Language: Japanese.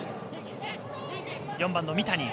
４番の三谷。